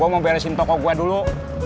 nanti gua beresin toko gua dulu